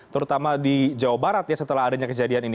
terutama di jawa barat ya setelah adanya kejadian ini